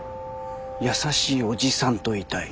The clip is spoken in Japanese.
優しい叔父さんといたい。